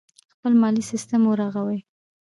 خپل مالي سیستم ورغوي.